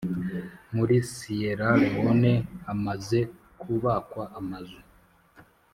muri Siyera Lewone hamaze kubakwa Amazu